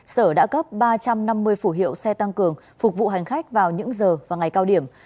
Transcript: sở đã cấp ba trăm năm mươi phủ hiệu xe tăng cường phục vụ hành khách vào những giờ và ngày cao điểm